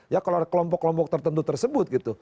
ya kalau kelompok kelompok tertentu tersebut gitu